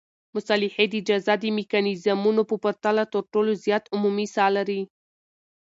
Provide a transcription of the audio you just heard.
مصالحې د جزا د میکانیزمونو په پرتله تر ټولو زیات عمومي ساه لري.